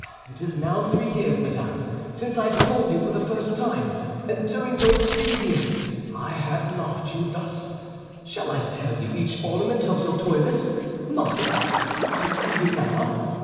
It is now three years, madame, since I saw you for the first time, and during those three years I have loved you thus. Shall I tell you each ornament of your toilet? Mark! I see you now.